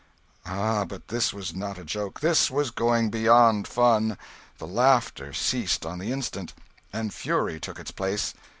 Ah, but this was not a joke this was going beyond fun. The laughter ceased on the instant, and fury took its place.